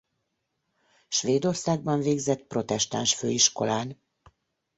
Svédországban végzett protestáns főiskolán.